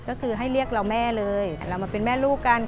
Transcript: ก็คือให้เรียกเราแม่เลยเรามาเป็นแม่ลูกกัน